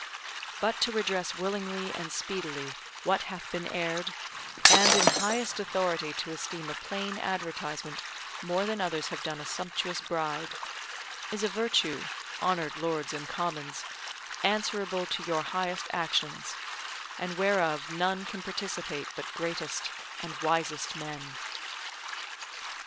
But to redress willingly and speedily what hath been erred, and in highest authority to esteem a plain advertisement more than others have done a sumptuous bride, is a virtue (honoured Lords and Commons) answerable to your highest actions, and whereof none can participate but greatest and wisest men.